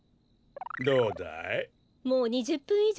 どうだい？